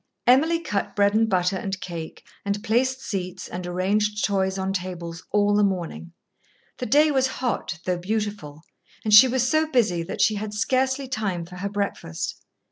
Emily cut bread and butter and cake, and placed seats and arranged toys on tables all the morning. The day was hot, though beautiful, and she was so busy that she had scarcely time for her breakfast.